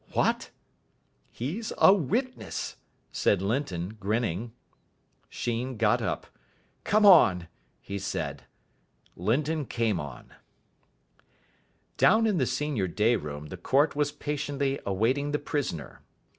"What!" "He's a witness," said Linton, grinning. Sheen got up. "Come on," he said. Linton came on. Down in the senior day room the court was patiently awaiting the prisoner.